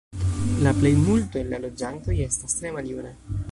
La plejmulto el la loĝantoj estas tre maljuna.